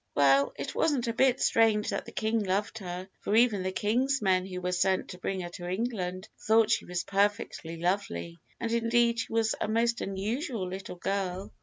"Well, it wasn't a bit strange that the King loved her, for even the King's men who were sent to bring her to England thought she was perfectly lovely, and indeed she was a most unusual little girl.